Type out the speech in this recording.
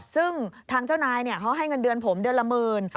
ซึ่งทางเจ้านายเขาให้เงินเดือนผมเดือนละหมื่น